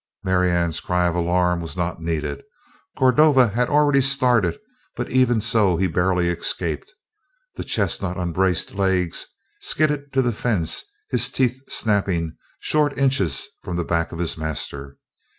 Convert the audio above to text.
Marianne's cry of alarm was not needed. Cordova had already started, but even so he barely escaped. The chestnut on braced legs skidded to the fence, his teeth snapping short inches from the back of his master.